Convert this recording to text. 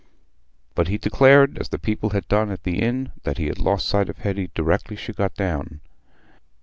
But he declared, as the people had done at the inn, that he had lost sight of Hetty directly she got down.